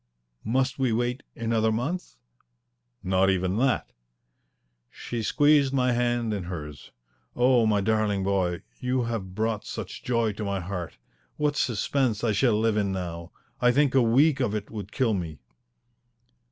"Must we wait another month?" "Not even that." She squeezed my hand in hers. "Oh, my darling boy, you have brought such joy to my heart! What suspense I shall live in now! I think a week of it would kill me."